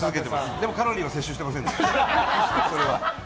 でもカロリーは摂取してません。